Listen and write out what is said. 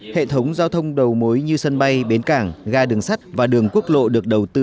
hệ thống giao thông đầu mối như sân bay bến cảng ga đường sắt và đường quốc lộ được đầu tư